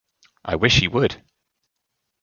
I wish he would!